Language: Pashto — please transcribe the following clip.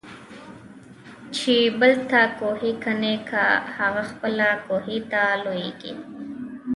چې بل ته کوهي کني هغه پخپله پکې لویږي متل د ابوجهل کیسه ده